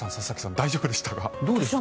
大丈夫でしたか？